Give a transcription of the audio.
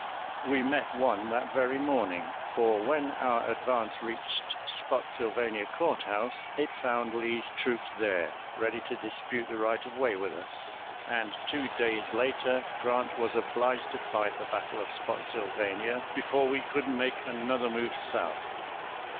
We met one that very morning; for when our advance reached Spottsylvania Courthouse it found Lee's troops there, ready to dispute the right of way with us, and two days later Grant was obliged to fight the battle of Spottsylvania before we could make another move south.